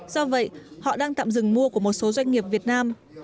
do vậy họ đang tạm dừng mua của một số doanh nghiệp việt nam